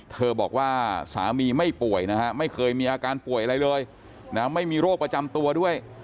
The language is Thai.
บอกว่าสามีไม่ป่วยนะฮะไม่เคยมีอาการป่วยอะไรเลยนะไม่มีโรคประจำตัวด้วย